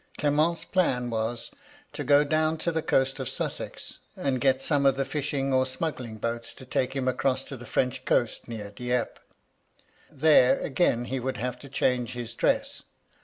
Clement's plan was, to go down to the Coast of Sussex, G 2 124 MY LADY LUDLOW. and get some of the fishing or smuggling boats to take him across to the French Coast near Dieppe. There again he would have to change his dress.